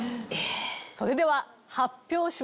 それでは発表します。